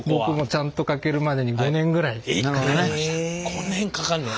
５年かかんねや！